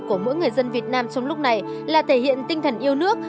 của mỗi người dân việt nam trong lúc này là thể hiện tinh thần yêu nước